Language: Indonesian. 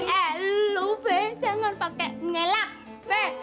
eh lu be jangan pakai ngelak be